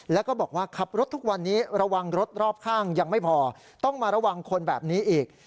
แล้วก็บอกว่าขับรถทุกวันนี้ระวังรถรอบข้างยังไม่พอต้องมาระวังคนแบบนี้อีก